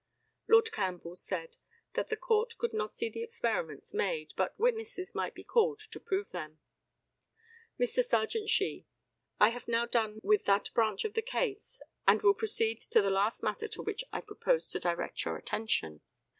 Lord CAMPBELL said that the Court could not see the experiments made, but witnesses might be called to prove them. Mr. Serjeant SHEE: I have now done with that branch of the case, and will proceed to the last matter to which I propose to direct your attention.